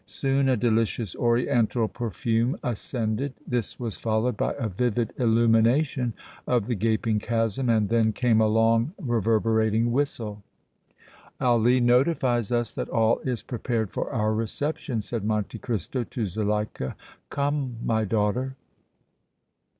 Soon a delicious oriental perfume ascended. This was followed by a vivid illumination of the gaping chasm and then came a long, reverberating whistle. "Ali notifies us that all is prepared for our reception," said Monte Cristo to Zuleika. "Come, my daughter!"